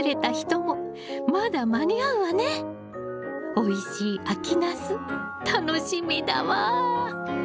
おいしい秋ナス楽しみだわ。